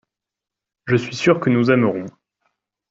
Je suis sûr que nous aimerons.